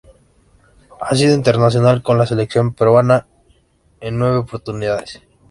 Ha sido internacional con la selección peruana en nueve oportunidades.